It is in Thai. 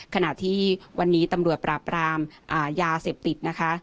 ขณะที่วันนี้ตำรวจปราบรามยาเสพติดนะคะ